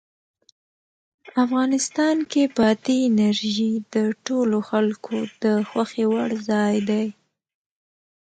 افغانستان کې بادي انرژي د ټولو خلکو د خوښې وړ ځای دی.